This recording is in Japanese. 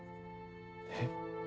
えっ？